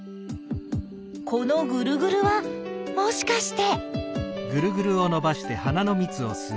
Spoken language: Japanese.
このぐるぐるはもしかして？